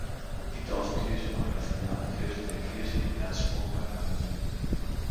Die Dorfkirche war eine Filialkirche der Kirche in Herzsprung bei Angermünde.